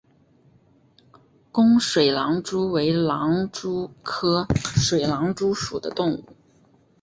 弓水狼蛛为狼蛛科水狼蛛属的动物。